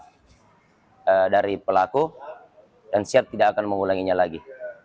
siap dari pelaku dan siap tidak akan mengulanginya lagi